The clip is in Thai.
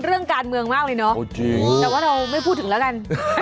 เรื่องการเมืองมากเลยเนาะแต่ว่าเราไม่พูดถึงแล้วกัน